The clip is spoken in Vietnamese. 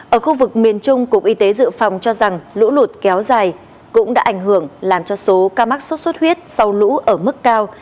ở khu vực miền trung cục y tế dự phòng cho rằng lũ lụt kéo dài cũng đã ảnh hưởng làm cho số ca mắc sốt xuất huyết sau lũ ở mức cao